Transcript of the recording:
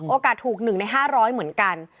โอกาสถูก๑ใน๕๐๐เหมือนกัน